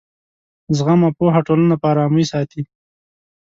زغم او پوهه ټولنه په ارامۍ ساتي.